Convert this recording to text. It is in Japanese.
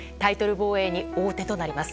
防衛に王手となります。